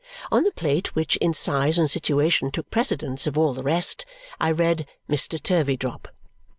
On the plate which, in size and situation, took precedence of all the rest, I read, MR. TURVEYDROP.